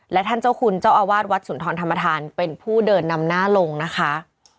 และท่านเจ้าคุณเจ้าอาวาสวัดสุนทรธรรมธานเป็นผู้เดินนำหน้าลงนะคะ